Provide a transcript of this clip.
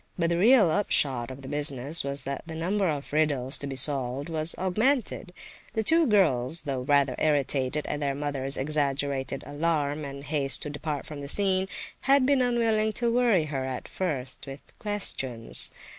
But the real upshot of the business was that the number of riddles to be solved was augmented. The two girls, though rather irritated at their mother's exaggerated alarm and haste to depart from the scene, had been unwilling to worry her at first with questions.